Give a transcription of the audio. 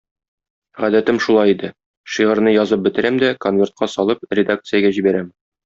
Гадәтем шулай иде, шигырьне язып бетерәм дә, конвертка салып, редакциягә җибәрәм.